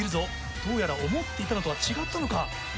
どうやら思っていたのとは違ったのか？